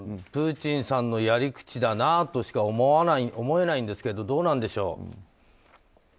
プーチンさんのやり口だなとしか思えないんですけどどうなんでしょう？